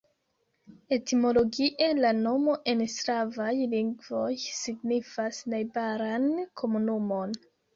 Etimologie la nomo en slavaj lingvoj signifas najbaran komunumon.